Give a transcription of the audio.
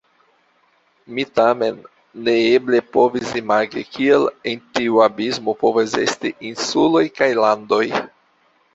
Mi tamen neeble povis imagi, kiel en tiu abismo povas esti insuloj aŭ landoj.